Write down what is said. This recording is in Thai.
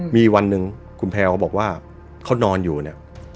มีวันหนึ่งคุณแพลวก็บอกว่าเขานอนอยู่เนี่ย